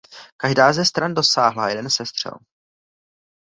Každá ze stran dosáhla jeden sestřel.